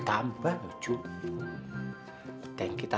ya mereka paling gila